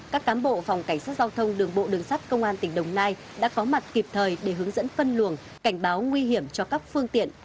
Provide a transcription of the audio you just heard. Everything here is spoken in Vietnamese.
các cám bộ phòng cảnh sát giao thông đường bộ đường sắt công an tỉnh đồng nai đã có mặt kịp thời để hướng dẫn phân luồng cảnh báo nguy hiểm cho các phương tiện